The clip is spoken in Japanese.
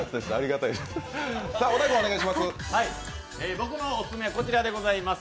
僕のオススメはこちらでございます。